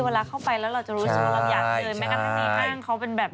เวลาเข้าไปแล้วเราจะรู้จะรู้ยังไง